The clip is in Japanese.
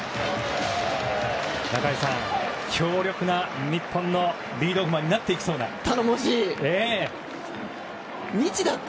中居さん、強力な日本のリードオフマンになっていきそうですね。